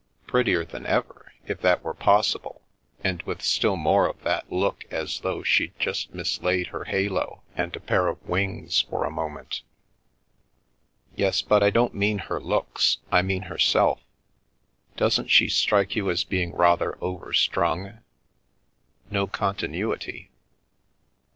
"" Prettier than ever, if that were possible, and with still more of that look as though she'd just mislaid her halo and a pair of wings for a moment." "Yes, but I don't mean her looks. I mean herself. Doesn't she strike you as being rather overstrung? No continuity?"